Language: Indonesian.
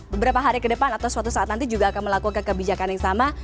beberapa hari ke depan atau suatu saat nanti juga akan melakukan kebijakan yang sama